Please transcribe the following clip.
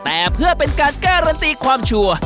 แต่เพื่อเป็นการการันตีความชัวร์